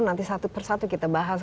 nanti satu persatu kita bahas